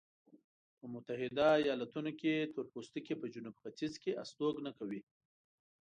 په متحده ایلاتونو کې تورپوستکي په جنوب ختیځ کې استوګنه کوي.